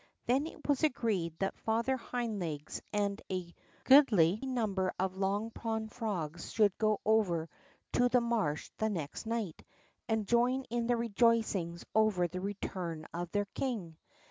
Then it was agreed that Father Hind Legs and a goodly number of Long Pond frogs should go over to the Marsh the next night, and join in the rejoicings over the return of their king.